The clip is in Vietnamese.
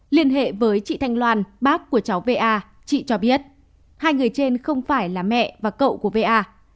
liên hệ với chị thanh loan bác của cháu va chị cho biết hai người trên không phải là mẹ và cậu của va